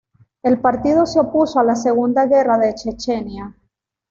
El partido se opuso a la segunda guerra de Chechenia.